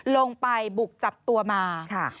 ลงไปบุกจับตัวมาค่ะ